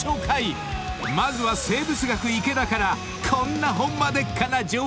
［まずは生物学池田からこんなホンマでっか⁉な情報が］